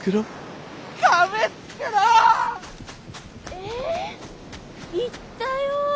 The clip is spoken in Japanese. え行ったよ